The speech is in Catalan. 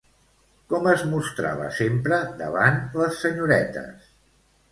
Com es mostrava sempre davant les senyoretes?